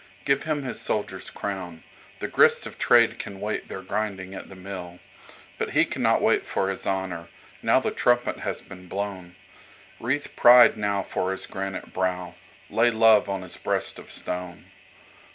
Give him his soldier's crown, The grists of trade can waitTheir grinding at the mill. But he cannot wait for his honor, now the trumpet has been blown. Wreathe pride now for his granite brow, lay love on his breast of stone.